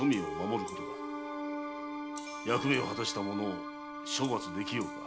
役目を果たした者を処罰できようか。